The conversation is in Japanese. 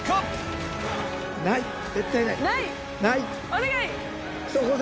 お願い！